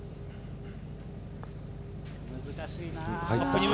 難しいなぁ。